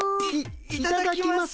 いいただきます。